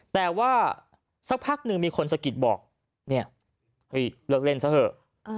แต่ว่าสักพักหนึ่งมีคนสะกิดบอกเนี่ยเฮ้ยเลิกเล่นซะเถอะ